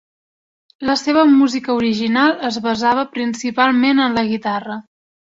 La seva música original es basava principalment en la guitarra.